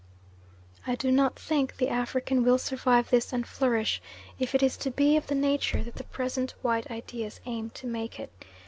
I do not think the African will survive this and flourish, if it is to be of the nature that the present white ideas aim to make it.